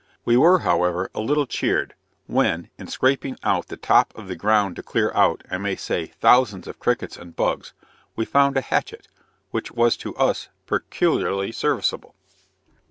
We were, however, a little cheered, when, in scraping out the top of the ground to clear out, I may say, thousands of crickets and bugs, we found a hatchet, which was to us peculiarly serviceable.